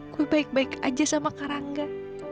gue baik baik aja sama karangga